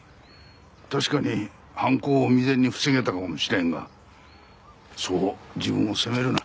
確かに犯行を未然に防げたかもしれんがそう自分を責めるな。